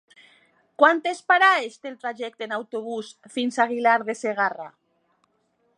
Quantes parades té el trajecte en autobús fins a Aguilar de Segarra?